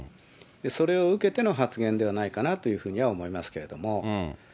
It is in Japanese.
それを受けての発言ではないかなというふうには思いますけれども。